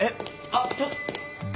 あっちょっと！